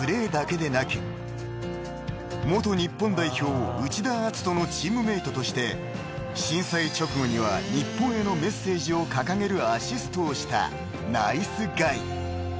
［元日本代表内田篤人のチームメートとして震災直後には日本へのメッセージを掲げるアシストをしたナイスガイ］